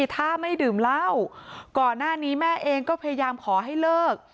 ถ้าไม่ดื่มเหล้าก่อนหน้านี้แม่เองก็พยายามขอให้เลิก